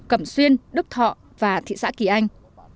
cẩm xuyên đức thọ và thị xã kỳ anh